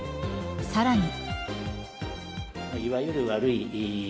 さらに。